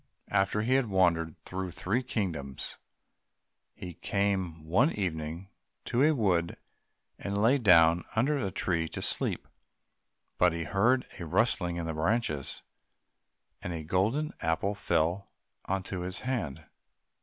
After he had wandered through three kingdoms, he came one evening to a wood, and lay down under a tree to sleep. But he heard a rustling in the branches, and a golden apple fell into his hand.